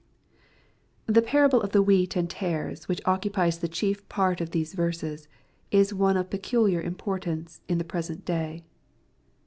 The parable of the wheat and tares, which occupies the chief part of these verses, is one of peculiar importance in the present day.